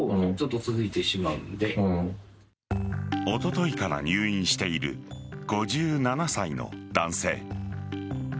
おとといから入院している５７歳の男性。